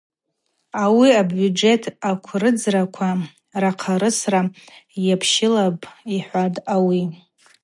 Ауи абюджет акврыдзраква рахъарысра йапщылапӏ, – йхӏватӏ ауи.